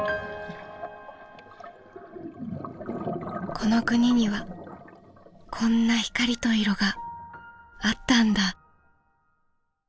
この国にはこんな光と色があったんだ。